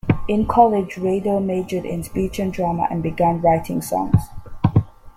In college, Rado majored in Speech and Drama and began writing songs.